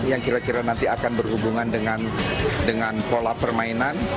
yang kira kira nanti akan berhubungan dengan pola permainan